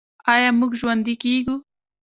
آیا موږ ژوندي کیږو؟